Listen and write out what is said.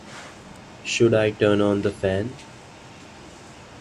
Should I turn on the fan?